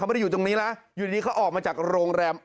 ไม่ได้อยู่ตรงนี้นะอยู่ดีเขาออกมาจากโรงแรม